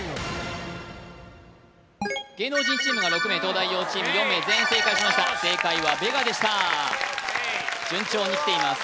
芸能人チームが６名東大王チーム４名全員正解しました正解はベガでした順調にきています